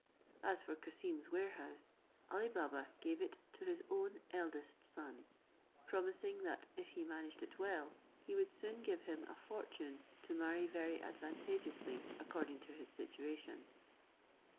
As for Cassim's warehouse, Ali Baba gave it to his own eldest son, promising that if he managed it well, he would soon give him a fortune to marry very advantageously according to his situation.